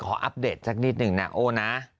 ขออัปเดตสักนิดนึงนะโอนะ